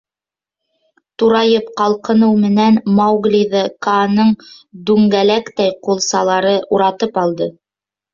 Турайып ҡалҡыныу менән Мауглиҙы Кааның дүңгәләктәй ҡулсалары уратып алды.